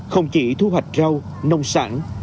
không chỉ thu hoạch rau nông sản